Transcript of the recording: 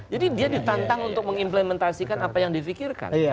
jadi dia ditantang untuk mengimplementasikan apa yang di pikirkan